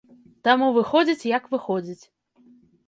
Таму выходзіць як выходзіць.